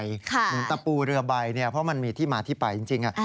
เหมือนตะปูเรือใบเนี่ยเพราะมันมีที่มาที่ไปจริง